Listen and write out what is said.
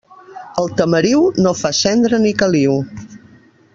El tamariu no fa cendra ni caliu.